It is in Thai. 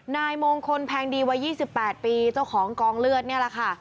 นายมงคลแพงดีวัยยี่สิบแปดปีเจ้าของกองเลือดเนี่ยแหละค่ะ